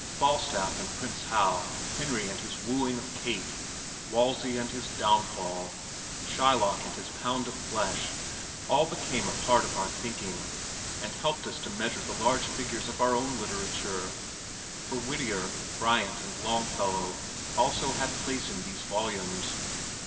Falstaff and Prince Hal, Henry and his wooing of Kate, Wolsey and his downfall, Shylock and his pound of flesh all became a part of our thinking and helped us to measure the large figures of our own literature, for Whittier, Bryant and Longfellow also had place in these volumes.